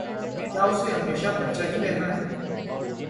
کیا اسے ہمیشہ بچہ ہی رہنا ہے؟